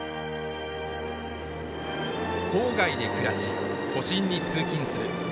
「郊外で暮らし都心に通勤する」